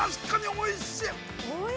◆おいしい！